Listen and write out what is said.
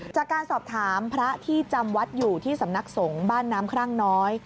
จากการสอบถามพระที่จำวัดอยู่ที่สำนักสงฆ์บ้านน้ำครั่งน้อย